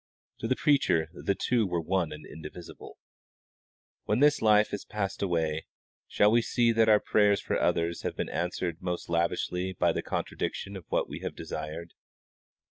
To the preacher the two were one and indivisible. When this life is passed away, shall we see that our prayers for others have been answered most lavishly by the very contradiction of what we have desired?